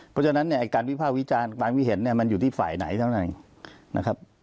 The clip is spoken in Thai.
เพราะฉะนั้นการวิภาควิจารณ์ความวิเห็นมันอยู่ที่ฝ่ายไหนเท่านั้น